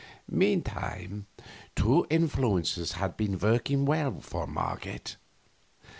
Meantime two influences had been working well for Marget.